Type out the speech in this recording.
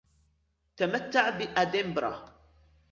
تمتع بأدنبرة!